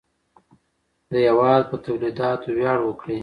د هېواد په تولیداتو ویاړ وکړئ.